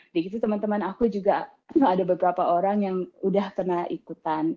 di situ teman teman aku juga ada beberapa orang yang udah pernah ikutan